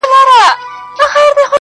o بس وینا کوه د خدای لپاره سپینه,